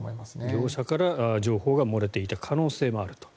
業者から情報が漏れていた可能性もあると。